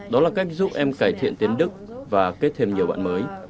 đó là cách giúp em cải thiện tiếng đức và kết thêm nhiều bạn mới